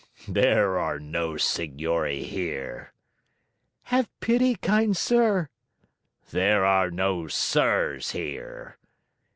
"There are no signori here!" "Have pity, kind sir!" "There are no sirs here!"